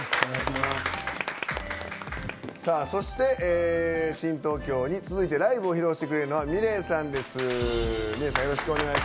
そして、新東京に続いてライブを披露してくれるのはｍｉｌｅｔさんです。